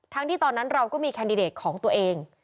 ที่ตอนนั้นเราก็มีแคนดิเดตของตัวเอง